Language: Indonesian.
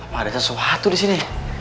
apa ada sesuatu disini